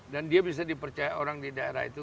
dan dia bisa dipercaya orang di daerah itu